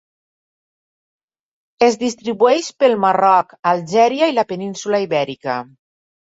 Es distribueix pel Marroc, Algèria i la península Ibèrica.